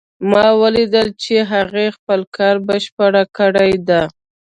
ما ولیدل چې هغې خپل کار بشپړ کړی ده